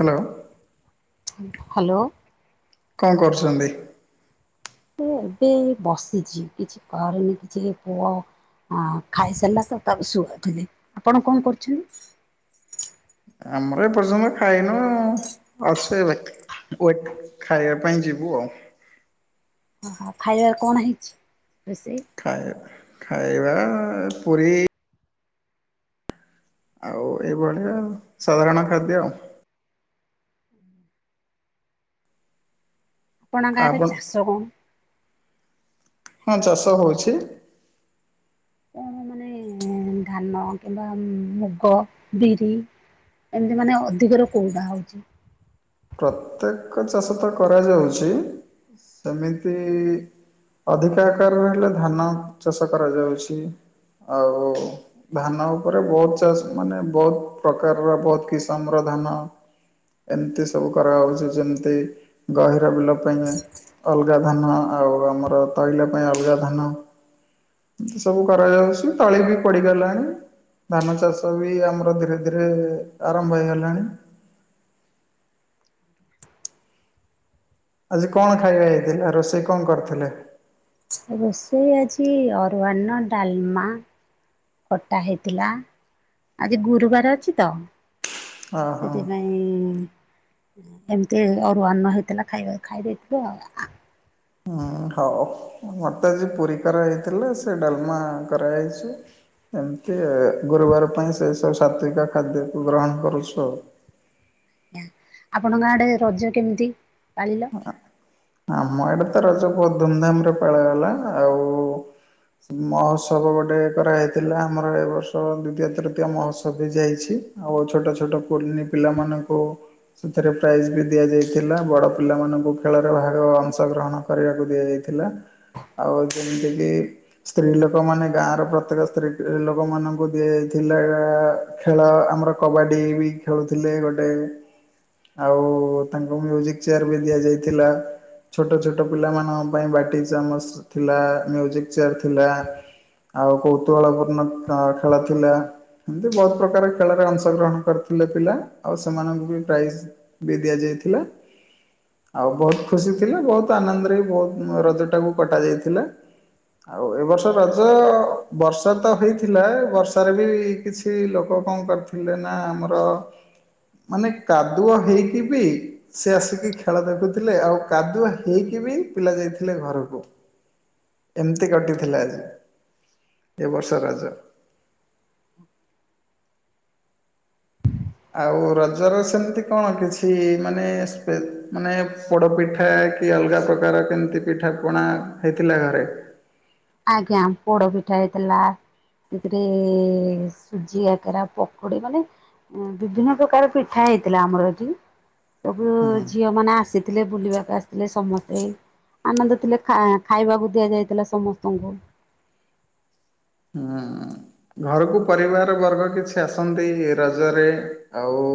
Hello. Hello. କଣ କରୁଛନ୍ତି? ମୁଁ ଏବେ ଏଇ ବସିଚି। କିଛି କରିନି କିଛି ଯେ ପୁଅ ହଁ ଖାଇସାରଲା ତ ତାକୁ ଶୁଆଉଥୁଲି। ଆପଣ କଣ କରୁଛନ୍ତି? ଆମର ଏପର୍ଯ୍ୟନ୍ତ ଖାଇନୁ। [unintelligible] ୱେଟ୍ ଖାଇବା ପାଇଁ ଯିବୁ ଆଉ। ଓହୋ! ଖାଇବା କଣ ହେଇଛି ରୋଷେଇ? ଖାଇବା, ଖାଇବା ପୁରୀ ଆଉ ଏଇ ଭଳି ଆଉ ଉସାଧାରଣ ଖାଦ୍ୟ। ଆପଣଙ୍କ ଗାଁରେ ଆପଣ ଚାଷ ହଉନି? ହଁ ଚାଷ ହଉଛି। କଣ ମାନେ ଧାନ କିମ୍ବା ମୁଗ, ବିରି ଏମିତି ମାନେ ଅଧିକରେ କୋଉଟା ହଉଛି? ପ୍ରତ୍ୟେକ ଚାଷ ତ କରାଯାଉଛି। ସେମିତି ଅଧିକା ଆକାରରେ ହେଲେ ଧାନ ଚାଷ କରାଯାଉଛି। ଆଉ ଧାନ ଉପରେ ବହୁତ ଚାଷ, ମାନେ ବହୁତ ପ୍ରକାରର ବହୁତ କିସମର ଧାନ। ଏମତି ସବୁ କରାଯାଉଛି, ଯେମିତି ଗହୀର ବିଲ ପାଇଁ ଅଲଗା ଧାନ, ଆଉ ଆମର ତଇଲ ପାଇଁ ଅଲଗା ଧାନ। ଏମିତି ସବୁ କରାଯାଉଛି, ତଳି ବି ପଡିଗଲାଣି। ଧାନ ଚାଷ ବି ଆମର ଧୀରେ ଧୀରେ ଆରମ୍ଭ ହେଇଗଲାଣି। ଆଜି କଣ ଖାଇବା ହେଇଥିଲା? ରୋଷେଇ କଣ କରିଥିଲେ? ରୋଷେଇ ଆଜି ଅରୁଆ ଅନ୍ନ, ଡାଲମା ଖଟା ହେଇଥିଲା। ଆଜି ଗୁରୁବାର ଅଛି ତ, ଓହୋ ସେଥିପାଇଁ। ଉଁ ଏମିତି ଅରୁଆ ଅନ୍ନ ହେଇଥିଲା ଖାଇବା ଖାଇ ଦେଇଥିଲୁ ଆଉ। ହୁଁ ହଉ ମତେ ଆଜି ପୁରୀ କରାହେଇଥିଲା ସେ ଡାଲମା କରାହେଇଛି ଏମିତି ଗୁରୁବାର ପାଇଁ ସେ ସବୁ ସାତ୍ଵିକ ଖାଦ୍ୟକୁ ଗ୍ରହଣ କରୁଛୁ ଆଉ। ଆପଣଙ୍କ ଆଡେ ରଜ କେମିତି ପାଳିଲ? ଆମ ଆଡେ ତ ରଜ ବୋହୁତ୍ ଧୁମ୍ ଧାମ୍ ରେ ପାଳାହେଲା ଆଉ ମହୋତ୍ସବ ଗୋଟେ କରାହେଇଥିଲା ଆମର ଏ ବର୍ଷ ଦ୍ୱିତୀୟ ତୃତୀୟ ମହୋତ୍ସବ ବି ଯାଇଛି ଆଉ ଛୋଟ ଛୋଟ କୁନୀ ପିଲାମାନଙ୍କୁ ସେଥିରେ ପ୍ରାଇଜ୍ ବି ଦିଆଯାଇଥିଲା ବଡ ପିଲାମାନଙ୍କୁ ଖେଳରେ ଭାଗ ଅଂଶଗ୍ରହଣ କରିବାକୁ ଦିଆଯାଇଥିଲା। ଆଉ ଯିମିତିକି ସ୍ତ୍ରୀ ଲୋକ ମାନେ ଗାଁର ପ୍ରତ୍ୟେକ ସ୍ତ୍ରୀ ଲୋକ ମାନଙ୍କୁ ଦିଆଯଥିଲା ଖେଳ ଆମର କବାଡି ବି ଖେଳୁଥିଲେ ଗୋଟେ ଆଉ ତାଙ୍କୁ ମ୍ୟୁଜିକ୍ ଚେୟାର ବି ଦିଆଯାଇଥିଲା। ଛୋଟ ଛୋଟ ପିଲାମାନଙ୍କ ପାଇଁ ବାଟି ଚାମଚ ଥିଲା, ମ୍ୟୁଜିକ ଚେୟାର ଥିଲା। ଆଉ କୌତୁହଳପୂର୍ଣ୍ଣ ଖେଳ ଥିଲା। ଏମିତି ବୋହୁତ୍ ପ୍ରକାର ଖେଳରେ ଅଂଶଗ୍ରହଣ କରିଥିଲେ ପିଲା। ଆଉ ସେମାନଙ୍କୁ ବି ପ୍ରାଇଜ୍ ବି ଦିଆଯାଇଥିଲା। ଆଉ ବୋହୁତ୍ ଖୁସି ଥିଲେ। ବୋହୁତ୍ ଆନନ୍ଦରେ ବି ବୋହୁତ୍ ରଜଟାକୁ କଟା ଯାଇଥିଲା। ଆଉ ଏ ବର୍ଷ ରଜ ବର୍ଷା ତ ହେଇଥିଲା ବର୍ଷାରେ ବି କିଛି କିଛି ଲୋକ କଣ କରିଥିଲେ ନା ଆମର ମାନେ କାଦୁଅ ହେଇକି ବି ସେ ଆସିକି ଖେଳ ଦେଖୁଥିଲେ। ଆଉ କାଦୁଅ ହେଇକି ବି ପିଲା ଯାଇଥିଲେ ଘରକୁ। ଏମିତି କଟିଥିଲା ଆଜି। ଏ ବର୍ଷ ରଜ। ଆଉ ରଜର ସେମିତି କଣ କିଛି ମାନେ ସ୍ପେଶ-ମାନେ ପୋଡ଼ ପିଠା କି ଅଲଗା ପ୍ରକାର କେମିତି ପିଠା ପଣା ହେଇଥିଲା ଘରେ। ଆଜ୍ଞା ପୋଡ ପିଠା ହେଇଥିଲା। ସେଥିରେ ସୁଜି ଆକାରା ପକୁଡି ମାନେ ବିଭିନ୍ନ ପ୍ରକାର ପିଠା ହେଇଥିଲା ଆମର ଏଠି। ସବୁ ହୁଁ ହୁଁ। ଝିଅ ମାନେ ଆସି ଥିଲେ ବୁଲିବାକୁ ଆସିଥିଲେ ସମସ୍ତେ। ଆନନ୍ଦ ଥିଲେ ଖା-ଖାଇବାକୁ ଦିଆଯାଇଥିଲା ସମସ୍ତ ତାଙ୍କୁ। ହୁଁ। ଘରକୁ ପରିବାର ବର୍ଗ କିଛି ଆସନ୍ତି ରଜରେ ଆଉ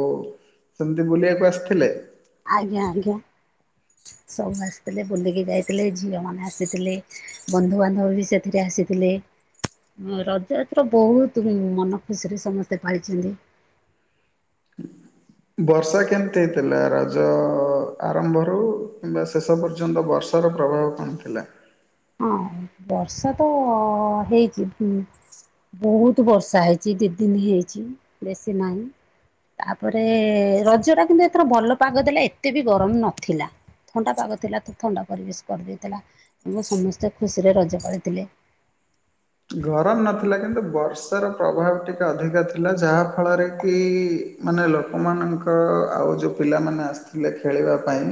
ସେମିତି ବୁଲିଆକୁ ଆସିଥିଲେ? ଆଜ୍ଞା ଆଜ୍ଞା। ସବୁ ଆସିଥିଲେ ବୁଲିକି ଯାଇଥିଲେ ଝିଅମାନେ ଆସିଥିଲେ। ବନ୍ଧୁବାନ୍ଧବ ବି ସେଥିରେ ଆସିଥିଲେ। ହଁ ରଜ ଏଥର ବୋହୁତ୍ ମନ ଖୁସିରେ ସମସ୍ତେ ପାଳିଛନ୍ତି। ବର୍ଷା କେମତି ହେଇଥିଲା ରଜଅ ଆରମ୍ଭରୁ କିମ୍ବା ଶେଷ ପର୍ଯ୍ୟନ୍ତ ବର୍ଷାର ପ୍ରଭାବ କଣ ଥିଲା? ହଁ ବର୍ଷା ତ ହେଇଛି। ବୋହୁତ୍ ବର୍ଷା ହେଇଛି। ଯତେଦିନ୍ ହେଇଛି ବେଶୀ ନାହିଁ। ତାପରେ, ରଜ ଟା କିନ୍ତୁ ଏଥର ଭଲ ପାଗ ଦେଲା ଏତେ ବି ଗରମ ନଥିଲା। ଥଣ୍ଡା ପାଗ ଥିଲା ତ ଥଣ୍ଡା ପରିବେଶ କରିଦେଇଥିଲା ଏବଂ ସମସ୍ତେ ଖୁସିରେ ରଜ ପାଳିଥିଲେ। ଗରମ ନଥିଲା କିନ୍ତୁ ବର୍ଷାର ପ୍ରଭାବ ଟିକେ ଅଧିକା ଥିଲା ଯାହାଫଳରେ କି ମାନେ ଲୋକମାନଙ୍କ, ଆଉ ଯୋଉ ପିଲାମାନେ ଆସିଥିଲେ ଖେଳିବା ପାଇଁ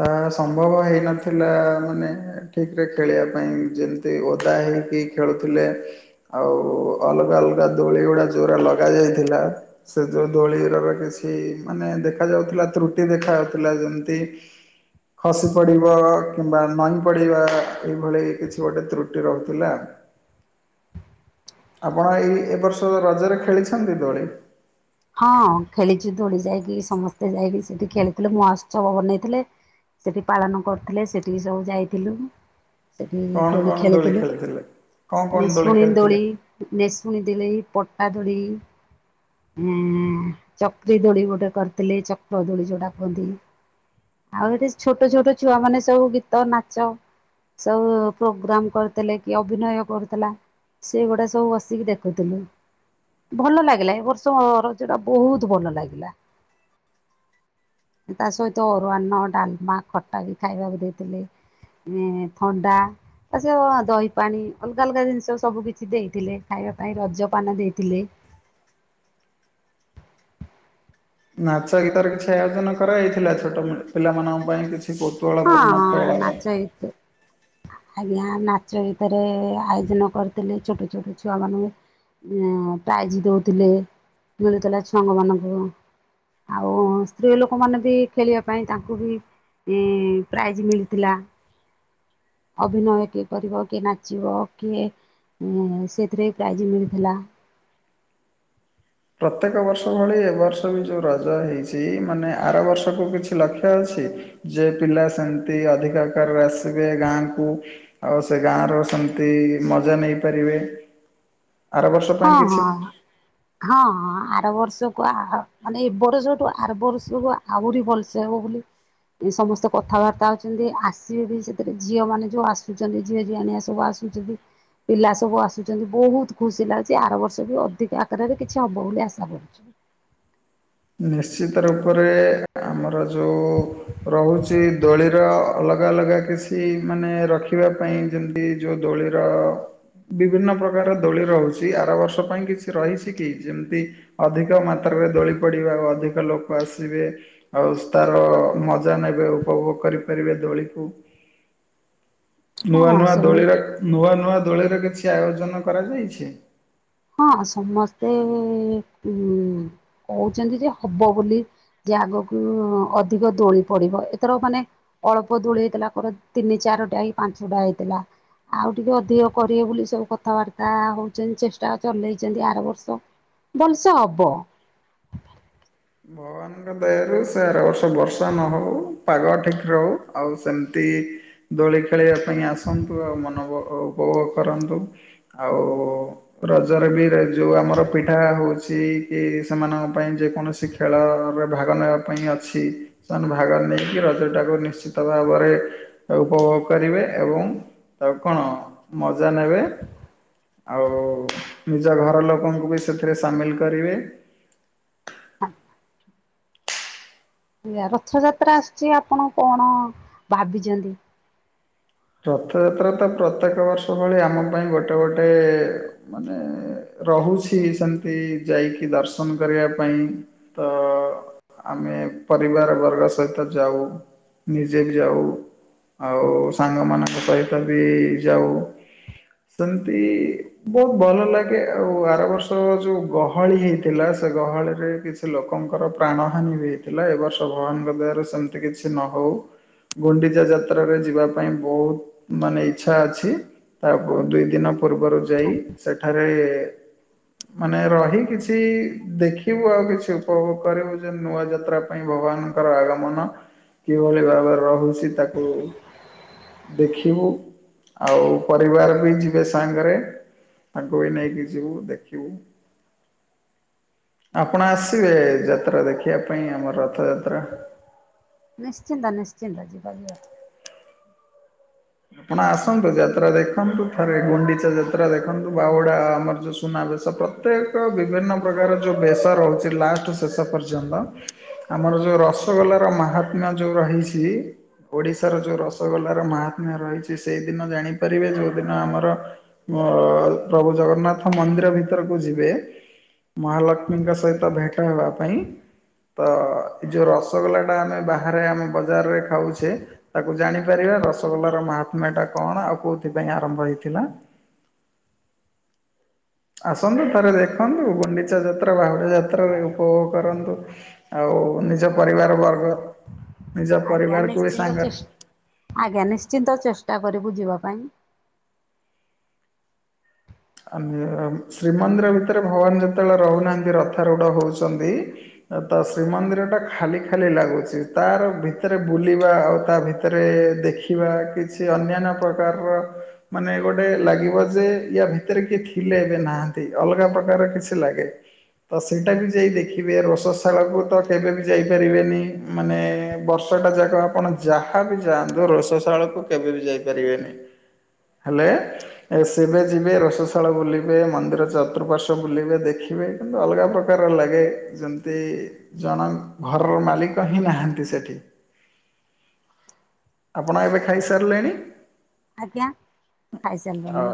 ତାହା ସମ୍ଭବ ହେଇନଥିଲା, ମାନେ ଠିକ୍ ରେ ଖେଳିବା ପାଇଁ ଯେମିତି ଓଦା ହେଇକି ଖେଳୁଥିଲେ। ଆଉ ଅଲଗା ଅଲଗା ଦୋଳି ଗୁଡା ଜୋଉଗୁଡା ଲଗା ଯାଇଥିଲା ସେ ଯୋଉ ଦୋଳିର ବା କିଛି ମାନେ ଦେଖାଯାଉଥିଲା ତ୍ରୁଟି ଦେଖାଯାଉଥିଲା ଯେମିତି ଖସି ପଡ଼ିବ, କିମ୍ବା ନଈଁ ପଡ଼ିବା, ଏଇଭଳି କିଛି ଗୋଟେ ତ୍ରୁଟି ରହୁଥିଲା। ଆପଣ ଏଇ ଏ ବର୍ଷ ରଜରେ ଖେଳିଛନ୍ତି ଦୋଳି? ହଁ ଖେଳିଚୁ ଦୋଳି ଯାଇକି ସମସ୍ତେ ଯାଇକି ସେଠି ଖେଳିଥିଲେ ମହୋତ୍ସବ ବନେଇଥିଲେ। ସେଠି ପାଳନ କରୁଥିଲେ ସେଠିକି ସବୁ ଯାଇଥିଲୁ। ସେଠି କଣ ଦୋଳି କଣ ଖେଳିଥିଲୁ ଖେଳିଥିଲେ? କଣ କଣ ନିଶୁଣି ଖେଳିଥିଲେ? ଦୋଳି ନେସୁଣୀ ଦୋଳି ପଟା ଦୋଳି। ହୁଁ ଚକ୍ରି ଦୋଳି ଗୋଟେ କରିଥିଲେ। ଚକ ଦୋଳି ଯୋଉଟା କୁହନ୍ତି ଆଉ ଏଠି ଛୋଟ ଛୋଟ ଛୁଆ ମାନେ ସବୁ ଗୀତ ନାଚ ସବୁ ପ୍ରୋଗ୍ରାମ କରିଥିଲେ କିଏ ଅଭିନୟ କରୁଥିଲା। ସେଗୁଡା ସବୁ ବସିକି ଦେଖୁଥିଲୁ। ଭଲ ଲାଗିଲା ଏ ବର୍ଷ ସ ମୋ ରଜଟା ବହୁତ ବଲ ଲାଗିଲା। ତା ସହିତ ଅରୁଆନ ଡାଲମା ଖଟା ବି ଖାଇବାକୁ ଦେଇଥିଲେ। ଏଁ ଥଣ୍ଡା ଆ ସ ଦହି ପାଣି ଅଲଗା ଅଲଗା ଜିନିଷ ସବୁ କିିଛି ଦେଇଥିଲେ। ଖାଇବା ପାଇଁ ରଜପାନ ଦେଇଥିଲେ। ନାଚ ଗୀତରେ କିଛି ଆୟୋଜନ କରାଯାଇଥିଲା, ଛୋଟ ପିଲାମାନଙ୍କ ପାଇଁ କିଛି ହଁ କୌତୁହଳପୂର୍ଣ୍ଣ ହଁ ଖେଳ? ନାଚ ଗୀତ ଆଜ୍ଞା ନାଚ ଗୀତରେ ଆୟୋଜନ କରିଥିଲେ। ଛୋଟ ଛୋଟ ଛୁଆମାନେ ହଁ ପ୍ରାଇଜ ଦଉଥିଲେ ମିଳୁଥିଲା ଛୁଆଙ୍କ ମାନଙ୍କୁ। ଆଉ ସ୍ତ୍ରୀ ଲୋକମାନେ ବି ଖେଳିବା ପାଇଁ ତାଙ୍କୁ ବି ଇଁ ଇଁ ପ୍ରାଇଜ ମିଳିଥିଲା। ଅଭିନୟ କିଏ କରିବ କିଏ ନାଚିବ କିଏ ହଁ ସେଥିରେ ବି ପ୍ରାଇଜ୍ ମିଳିଥିଲା। ପ୍ରତ୍ୟେକ ବର୍ଷ ଭଳି ଏ ବର୍ଷ ବି ଯୋଉ ରଜ ହେଇଚି ମାନେ ଆର ବର୍ଷକୁ କିଛି ଲକ୍ଷ୍ୟ ଅଛି? ଯେ ପିଲା ସେମତି ଅଧିକ ଆକାରରେ ଆସିବେ ଗାଁ କୁ ଆଉ ସେ ଗାଁର ସେମତି ମଜା ନେଇପାରିବେ। ଆର ବର୍ଷ ହଁ ପାଇଁ କିଛି ହଁ। ହଁ ହଁ ଆର ବର୍ଷକୁ ଆହୁ ମାନେ ଏ ବର୍ଷଠୁ ଆର ବର୍ଷକୁ ଆହୁରି ଭଲସେ ହବ ବୋଲି ସମସ୍ତେ କଥାବାର୍ତ୍ତା ହଉଚନ୍ତି ଆସିବେ ବି ସେଥିରେ ଝିଅମାନେ ଯୋଉ ଆସୁଚନ୍ତି ଝିଅ ଝିଆଣିଆ ସବୁ ଆସୁଚ ଯିବି। ପିଲା ସବୁ ଆସୁଚନ୍ତି ବହୁତ ଖୁସି ଲାଗୁ ସେ ଆର ବର୍ଷ ବି ଅଧିକ ଆକାରରେ କିଛି ହବ ବୋଲି ଆଶା କରୁଚୁ। ନିଶ୍ଚିତ ରୂପରେ ଆମର ଯୋଉ ରହୁଚି ଦୋଳିର ଅଲଗା ଅଲଗା କିଛି ମାନେ ରଖିବା ପାଇଁ ଯେମତି ଯୋଉ ଦୋଳିର ଅ ବିଭିନ୍ନ ପ୍ରକାର ଦୋଳି ରହୁଚି। ଆର ବର୍ଷ ପାଇଁ କିଛି ରହିଚି କି ଯେମିତି ଅଧିକ ମାତ୍ରାରେ ଦୋଳି ପଡିବା ଅଧିକ ଲୋକ ଆସିବେ। ଆଉ ତାର ମଜା ନେବେ। ଉପଭୋଗ କରିପାରିବେ ଦୋଳିକୁ। [inaudible] ନୂଆ ନୂଆ ଦୋଳି ସେମିତି ନୂଆ ନୂଆ ଦୋଳିର କିଛି ଆୟୋଜନ କରାଯାଇଛି? ହଁ ସମସ୍ତେ ଉ କହୁଚନ୍ତି ଯେ ହବ ବୋଲି। ଯେ ଆଗକୁ ଅଧିକ ଦୋଳି ପଡିବ। ଏଥର ମାନେ ଅଳ୍ପ ଦୋଳି ହେଇଥିଲା ପରେ ତିନି ଚାରିଟା ହେ ପାଞ୍ଚଟା ହେଇଥିଲା। ଆଉ ଟିକେ ଅଧିକ କରିବେ ବୋଲି ସବୁ କଥାବାର୍ତ୍ତା ହଉଚନ୍ତି। ଚେଷ୍ଟା ଯାହା ଚଲେଇଚନ୍ତି। ଆର ବର୍ଷ ହବ। ଭଗବାନଙ୍କ ଦେହରୁ ସେ ଆର ବର୍ଷ ବର୍ଷା ନ ହେଉ ପାଗ ଠିକ ରହୁ। ଆଉ ସେମିତି ଦୋଳି ଖେଳିବା ପାଇଁ ଆସନ୍ତୁ, ଆଉ ମନ ଉପଭୋଗ କରନ୍ତୁ ଆଉ ରଜ ରେ ବି ରହି ଯେଉଁ ଆମର ପିଠା ହଉଚି କି ସେମାନଙ୍କ ପାଇଁ ଯେକୌଣସି ଖେଳ ରେ ଭାଗ ନେବା ପାଇଁ ଅଛି। ସେମାନେ ଭାଗ ନେଇକି ରଜଟାକୁ ନିଶ୍ଚିତ ଭାବରେ ଉପଭୋଗ କରିବେ ଏବଂ ତାକୁ କଣ ମଜା ନେବେ। ଆଉ ନିଜ ଘର ଲୋକଙ୍କୁ ବି ସେଥିରେ ସାମିଲ କରିବେ। ଆ ରଥଯାତ୍ରା ଆସୁଚି ଆପଣ କଣ ଭାବିଚନ୍ତି? ରଥଯାତ୍ରା ତ ପ୍ରତ୍ୟେକ ବର୍ଷ ଭଳି ଆମ ପାଇଁ ଗୋଟେ ଗୋଟେ ଏ ମାନେ ରହୁଛି ସେମତି ଯାଇକି ଦର୍ଶନ କରିବା ପାଇଁ। ତ। ଆମେ ପରିବାର ବର୍ଗ ସହିତ ଯାଉ ନିଜେ ବି ଯାଉ ଆଉ ସାଙ୍ଗମାନଙ୍କ ସହିତ ବି ଯାଉ। ସେମତି ବୋହୁତ ଭଲ ଲାଗେ ଆଉ ଆର ବର୍ଷ ଯୋଉ ଗହଳି ହେଇ ଥିଲା ସେ ଗହଳିରେ କିଛି ଲୋକଙ୍କର ପ୍ରାଣହାନି ବି ହେଇଥିଲା ଏବ ବର୍ଷ ଭଗବାନଙ୍କ ଦୟରୁ ସେମି ତି କିଛି ନ ହଉ ଗୁଣ୍ଡିଚା ଯାତ୍ରାରେ ଯିବା ପାଇଁ ବୋହୁତ ମାନେ ଇଛା ଅଛି ତା ଦୁଇ ଦିନ ପୂର୍ବରୁ ଯାଇ ସେଠାରେ ମାନେ ରହି କିଛି ଦେଖିବୁ ଆଉ କିଛି ଉପଭୋଗ କରିବୁ ଯେ ନୂଆ ଯାତ୍ରା ପାଇଁ ଭଗବାନଙ୍କର ଆଗମନ କିଭଳି ଭାବରେ ରହୁଚି ତାକୁ ଦେଖିବୁ ଆଉ ପରିବାର ବି ଯିବେ ସାଙ୍ଗରେ ତାକୁବି ନେଇକି ଯିବୁ ଦେଖିବୁ। ଆପଣ ଆସିବେ ଯାତ୍ରା ଦେଖିବା ପାଇଁ ଆମର ରଥଯାତ୍ରା। ନିଶ୍ଚିନ୍ତ ନିଶ୍ଚିନ୍ତ ଯିବା ଯିବାଗୋ। ଆପଣ ଆସନ୍ତୁ ଯାତ୍ରା ଦେଖନ୍ତୁ ଥରେ ଗୁଣ୍ଡିଚା ଯାତ୍ରା ଦେଖନ୍ତୁ ବାହୁଡ଼ା ଆମର ଯଉଁ ସୁନାବେଶ ପ୍ର ପ୍ରତେକ ବିଭିନ୍ନ ପ୍ରକାର ଯୋଉ ବେଶ ରହୁଚି ଲାଷ୍ଟେ ଶେଷ ପର୍ଯ୍ୟନ୍ତ ଆମର ଯୋଉ ରସଗୋଲାର ମାହାତ୍ମ୍ୟ ଯୋଉ ରହିଚି ଓଡିଶାର ଯୋଉ ରସଗୋଲାର ମାହାତ୍ମ୍ୟ ରହିଚି ସେଇଦିନ ଜାଣିପାରିବେ ଯୋଉ ଦିନ ଆମର ମ ପ୍ରଭୁ ଜଗନ୍ନାଥ ମନ୍ଦିର ଭିତରକୁ ଯିବେ ମହାଲକ୍ଷ୍ମୀଙ୍କ ସହିତ ଭେଟ ହେବା ପାଇଁ ତ ଏ ଯୋଉଁ ରସଗୋଲାଟା ଆମେ ବାହାରେ ଆମେ ବଜାରରେ ଖାଉଚେ ତାକୁ ଜାଣିପାରିବା ର ରସ ଗୋଲର ମାହାତ୍ମ୍ୟା ଟା କଣ ଆଉ କୋଉଥିପାଇଁ ଆରମ୍ଭ ହେଇଥିଲା। ଆସନ୍ତୁ ଥରେ ଦେଖନ୍ତୁ ଗୁଣ୍ଡିଚା ଯାତ୍ରା ବାହୁଡ଼ି ଯାତ୍ରାରେ ଉପଭୋଗ କରନ୍ତୁ। ଆଉ ନିଜ ଆଜ୍ଞା ପରିବାର ଆଜ୍ଞା ବର୍ଗ ନିଜ ଆଜ୍ଞା ପରିବାରକୁ ବି ନିଶ୍ଚିନ୍ତ ସାଙ୍ଗରେ ଚେଷ୍ଟା ଆଜ୍ଞା ନିଶ୍ଚିନ୍ତ ଚେଷ୍ଟା କରିବୁ ଯିବା ପାଇଁ। [unintelligible] ଶ୍ରୀମନ୍ଦିର ଭିତରେ ଭଗବାନ ଯେତେବେଳେ ରହୁନାହାଁନ୍ତି ରଥ ରୂଡ଼ ହେଉଚନ୍ତି ତ ଶ୍ରୀମନ୍ଦିର ଟା ଖାଲି ଖାଲି ଲାଗୁଚି ତାର ଭିତରେ ବୁଲିବା ଆଉ ତା ଭିତ ଭିତରେ ଦେଖିବା କିଛି ଅନ୍ୟାନ୍ୟ ପ୍ରକାରର ମାନେ ଗୋଟେ ଲାଗିବ ଯେ ୟାଭି ଭିତରେ କିଏ ଥିଲେ ଏବେ ନାହାନ୍ତି ଅଲଗା ପ୍ରକାର କିଛି ଲାଗେ ତ ସେଇଟା ବି ଯାଇ ଦେଖିବେ ରୋଷଶାଳକୁ ତ କେବେ ବି ଯାଇପାରିବେନି। ମାନେ ବର୍ଷଟା ଯାକ ଆପଣ ଯାହା ବିି ଯାଆନ୍ତୁ ରୋଷସାଳକୁ କେବେ ବି ଯାଇପାରିବେନି। [inaudible] ହେଲେ ଏ ଶିବେ ଯିବେ ରୋସ୍ ରୋଶାଳ ବୁଲିବେ ମନ୍ଦିର ଚତୁଃପାର୍ଶ୍ୱ ବୁଲିବେ ଦେଖିବେ କିନ୍ତୁ ଅଲଗା ପ୍ରକାର ଲାଗେ ଯେମିତି ଜଣ ଙ୍କ ଘରର ମାଲିକ ହିଁ ନାହାନ୍ତି ସେଠି। ଆପଣ ଏବେ ଖାଇସାରିଲେଣି। ଆଜ୍ଞା ଖାଇ ସାରିଲୁଣି। ଆଉ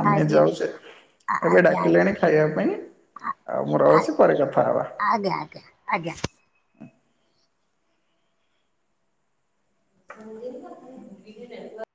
ଆମେ ଯାଉଚେ। ଏବେ ଡାକିଲେଣି ଖାଇବା ପାଇଁ ଆଉ ମୁଁ ଆଜ୍ଞା ରହୁଚି ପରେ କଥା ହବା। ଆଜ୍ଞା ଆଜ୍ଞା। ଆଜ୍ଞା। [inaudible]